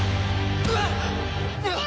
うわっ！